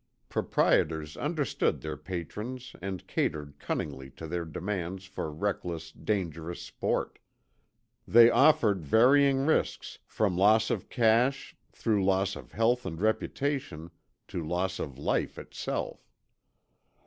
Proprietors understood their patrons and catered cunningly to their demands for reckless, dangerous sport. They offered varying risks, from loss of cash, through loss of health and reputation, to loss of life itself.